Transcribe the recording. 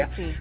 ah ya sih